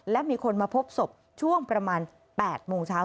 และมีคนมาพบศพช่วงประมาณ๘โมงเช้า